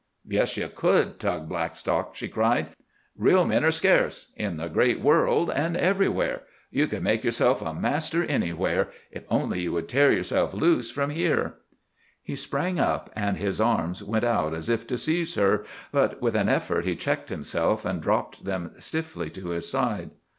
"Yes, you could, Tug Blackstock," she cried. "Real men are scarce, in the great world and everywhere. You could make yourself a master anywhere—if only you would tear yourself loose from here." He sprang up, and his arms went out as if to seize her. But, with an effort, he checked himself, and dropped them stiffly to his side.